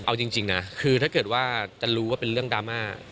เอาจริงนะคือถ้าเกิดว่าจะรู้ว่าเป็นเรื่องดราม่า